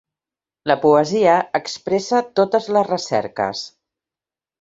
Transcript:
La poesia expressa totes les recerques.